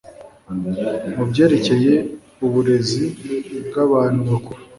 ku byerekeye uburezi bw abantu bakuru